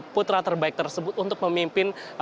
putra terbaik tersebut untuk memimpin